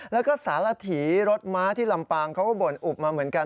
แล้วก็สารถีรถม้าที่ลำปางเขาก็บ่นอุบมาเหมือนกัน